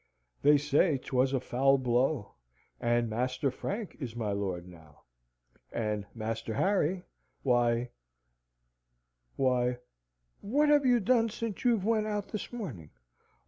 They say 'twas a foul blow, and Master Frank is my lord now, and Master Harry' why, what have you done since you've went out this morning?